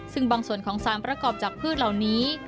ซึ่งบางส่วนของสารประกอบจากพืชเหล่านี้